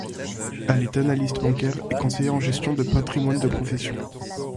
Elle est analyste bancaire et conseillère en gestion de patrimoine de profession.